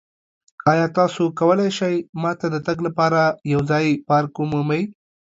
ایا تاسو کولی شئ ما ته د تګ لپاره یو ځایی پارک ومومئ؟